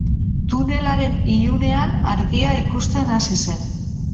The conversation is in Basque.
Tunelaren ilunean argia ikusten hasi zen.